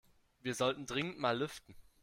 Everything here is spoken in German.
Wir sollten dringend mal lüften.